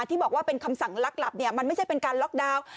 ที่บอกว่าเป็นคำสั่งลักหลับเนี่ยมันไม่ใช่เป็นการล็อกดาวน์